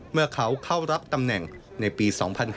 เมื่อเขาเข้ารับตำแหน่งในปี๒๕๕๙